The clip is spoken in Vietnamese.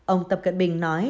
ông tập cận bình nói